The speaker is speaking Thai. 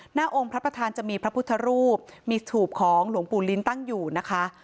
องค์พระประธานจะมีพระพุทธรูปมีสถูปของหลวงปู่ลิ้นตั้งอยู่นะคะ